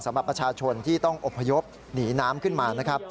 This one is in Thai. สำหรับประชาชนที่ต้องอบพยพหนีน้ำขึ้นมานะครับ